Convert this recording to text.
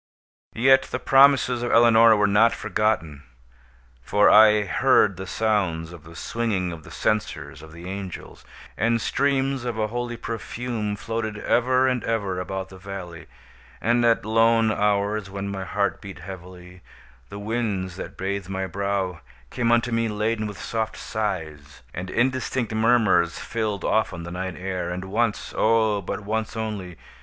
Yet the promises of Eleonora were not forgotten; for I heard the sounds of the swinging of the censers of the angels; and streams of a holy perfume floated ever and ever about the valley; and at lone hours, when my heart beat heavily, the winds that bathed my brow came unto me laden with soft sighs; and indistinct murmurs filled often the night air, and once—oh, but once only!